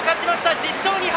１０勝２敗。